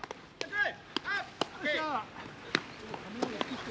はい。